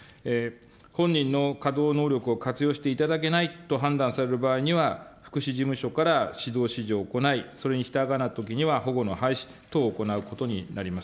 本人の稼働能力を活用していただけないと判断される場合には、福祉事務所から指導、指示を行い、それに従わないときには保護の廃止等を行うことになります。